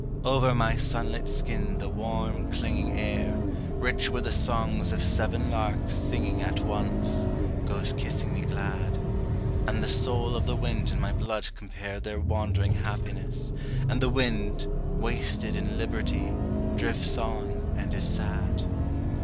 Over my sunlit skin the warm, clinging air, Rich with the songs of seven larks singing at once, goes kissing me glad. And the soul of the wind and my blood compare Their wandering happiness, and the wind, wasted in liberty, drifts on and is sad.